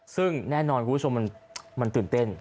ซึ่งแน่นอนคุณผู้ชมมันตื่นเต้น